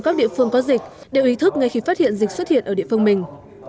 không có dịch đều ý thức ngay khi phát hiện dịch xuất hiện ở địa phương mình